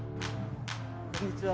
こんにちは。